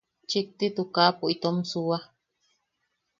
Chikti tukapo itom suua.